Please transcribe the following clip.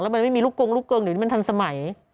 แล้วมันไม่มีลูกกงเดี๋ยวนี้มันทันสมัย